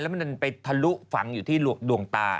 แล้วมันจะไปทะลุฝังอยู่ที่ดวงตา